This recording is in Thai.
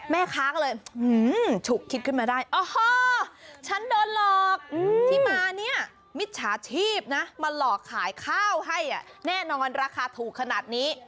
แม่ค้าก็เลยฉุกคิดขึ้นมาได้อ๋อฉันโดนหลอกที่มาเนี่ยมิจฉาชีพนะมาหลอกขายข้าวให้แน่นอนราคาถูกขนาดนี้